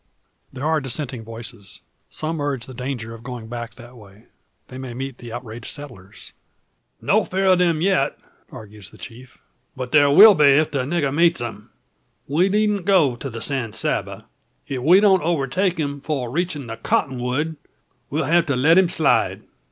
There are dissenting voices. Some urge the danger of going back that way. They may meet the outraged settlers. "No fear of them yet," argues the chief, "but there will be if the nigger meets them. We needn't go on to the San Saba. If we don't overtake him 'fore reachin' the cottonwood, we'll hev' to let him slide.